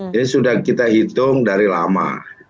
ini sudah kita hitung dari lama